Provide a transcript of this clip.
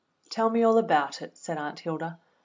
"Tell me all about it," said Aunt Hilda.